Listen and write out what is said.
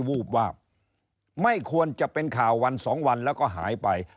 วูบวาบไม่ควรจะเป็นข่าววันสองวันแล้วก็หายไป